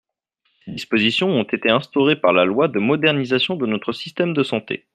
Ces dispositions ont été instaurées par la loi de modernisation de notre système de santé.